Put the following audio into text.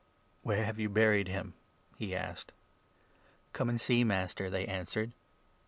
" Where have you buried him ?" he asked. 34 "Come and see, Master," they answered.